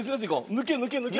抜け抜け抜け抜け！